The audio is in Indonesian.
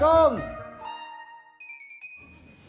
ini barang teman malaysia